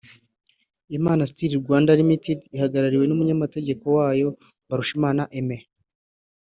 Imana Steel Rwanda Limited’ ihagarariwe n’umunyamategeko wayo Mbarushimana Aimee